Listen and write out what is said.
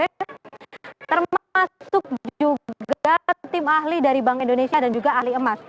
termasuk juga tim ahli dari bank indonesia dan juga ahli emas